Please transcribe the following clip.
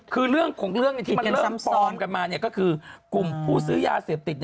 คือเรื่องของเรื่องที่มันเริ่มปลอมกันมาก็คือกลุ่มผู้ซื้อยาเสพติด